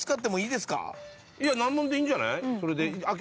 難問でいいんじゃない？